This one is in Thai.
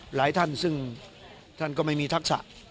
หลายท่านซึ่งท่านก็ไม่มีทักษะ